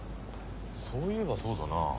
そう言えばそうだな。